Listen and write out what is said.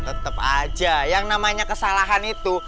tetap aja yang namanya kesalahan itu